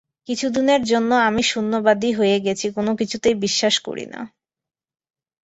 কিছুদিনের জন্য আমি শূন্যবাদী হয়ে গেছি, কোন কিছুতেই বিশ্বাস করি না।